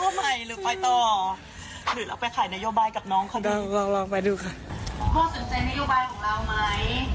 ลองลองไปดูก่อนพ่อสุดใจนัยยวบร้ายของเราไหม